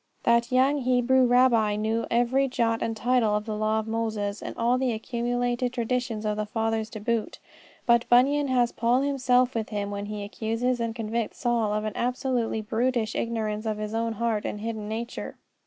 That young Hebrew Rabbi knew every jot and tittle of the law of Moses, and all the accumulated traditions of the fathers to boot. But Bunyan has Paul himself with him when he accuses and convicts Saul of an absolutely brutish ignorance of his own heart and hidden nature.